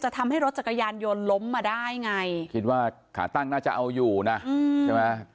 ทำให้รถจักรยานยนต์ล้มมาได้ไงคิดว่าขาตั้งน่าจะเอาอยู่นะใช่ไหม